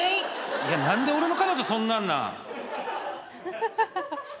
いや何で俺の彼女そんなんなん？